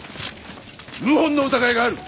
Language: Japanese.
謀反の疑いがある。